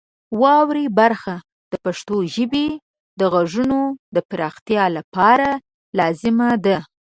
واورئ برخه د پښتو ژبې د غږونو د پراختیا لپاره لازمه ده.